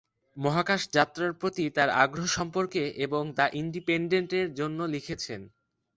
মহাকাশ যাত্রার প্রতি তার আগ্রহ সম্পর্কে এবং "দ্য ইনডিপেন্ডেন্টের"-এর জন্য লিখেছেন।